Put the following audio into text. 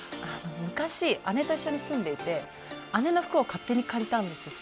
昔姉と一緒に住んでいて姉の服を勝手に借りたんですよ。